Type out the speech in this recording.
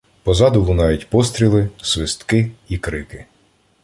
Позаду лунають постріли, свистки і крики.